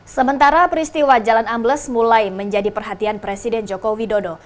sementara peristiwa jalan ambles mulai menjadi perhatian presiden joko widodo